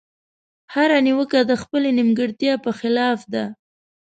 هره نيوکه د خپلې نيمګړتيا په خلاف ده.